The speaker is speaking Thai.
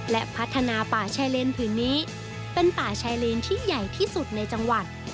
และพัฒนาป่าชายเลนผืนนี้เป็นป่าชายเลนที่ใหญ่ที่สุดในจังหวัด